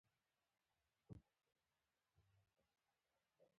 پکورې له نارنج چټني سره ښه وي